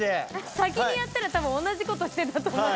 先にやったら多分同じことしてたと。